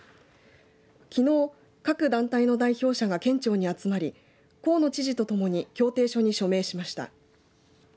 きのう各団体の代表者が県庁に集まり河野知事と共に協定書に署名しました。